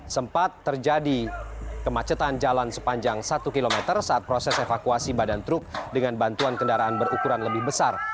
sempat terjadi kemacetan jalan sepanjang satu km saat proses evakuasi badan truk dengan bantuan kendaraan berukuran lebih besar